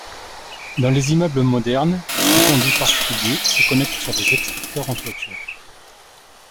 Dans les immeubles modernes, ces conduits particuliers se connectent sur des extracteurs en toiture.